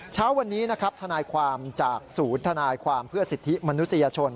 เช้าวันนี้นะครับทนายความจากศูนย์ทนายความเพื่อสิทธิมนุษยชน